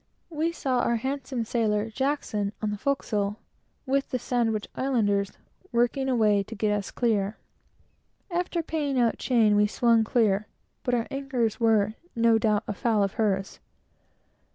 We saw our handsome sailor, Jackson, on the forecastle, with the Sandwich Islanders, working away to get us clear. After paying out chain, we swung clear, but our anchors were no doubt afoul of hers.